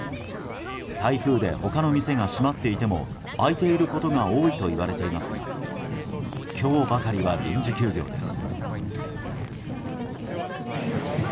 台風で他の店が閉まっていても開いていることが多いといわれていますが今日ばかりは臨時休業です。